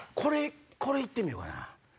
これ行ってみようかな。